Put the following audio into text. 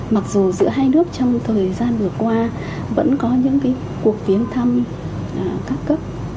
mặc dù giữa hai nước trong thời gian vừa qua vẫn có những cái cuộc chuyến thăm các cấp